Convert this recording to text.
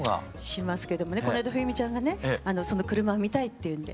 しますけどもねこの間冬美ちゃんがね「その車を見たい」って言うんで。